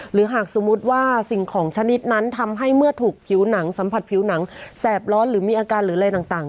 หรือหากสมมุติว่าสิ่งของชนิดนั้นทำให้เมื่อถูกผิวหนังสัมผัสผิวหนังแสบร้อนหรือมีอาการหรืออะไรต่าง